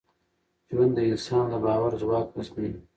ژوند د انسان د باور ځواک ازمېيي.